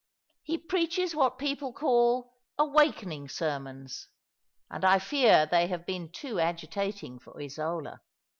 He preaches what people^call awakening sermons; and I fear they have been too agitating for Isola.